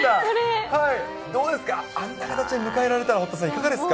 どうですか、あんなわんちゃんを迎えられたら、堀田さん、いかがですか？